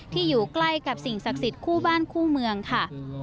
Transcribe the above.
อยู่ใกล้กับสิ่งศักดิ์สิทธิ์คู่บ้านคู่เมืองค่ะ